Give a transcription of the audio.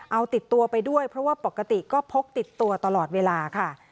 เอาติดตัวไปด้วยเพราะว่าปกติก็พกติดตัวตลอดเวลาค่ะ